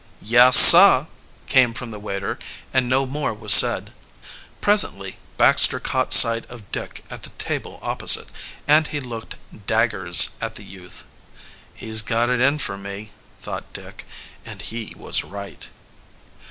"Yes, sah," came from the waiter; and no more was said. Presently Baxter caught sight of Dick at the table opposite, and he looked daggers at the youth. "He's got it in for me," thought Dick; and he was right.